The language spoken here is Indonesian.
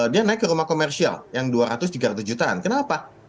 dia naik ke rumah komersial yang dua ratus tiga ratus jutaan kenapa